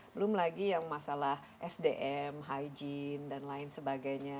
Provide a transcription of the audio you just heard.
belum lagi yang masalah sdm hygiene dan lain sebagainya